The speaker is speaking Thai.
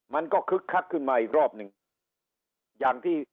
มันก็คึกคักขึ้นมาอีกรอบนึง